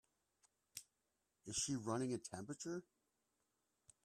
Is she running a temperature?